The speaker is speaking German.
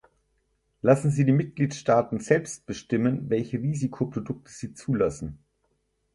Lassen Sie die Mitgliedstaaten selbst bestimmen, welche Risikoprodukte sie zulassen.